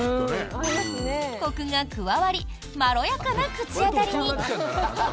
コクが加わりまろやかな口当たりに。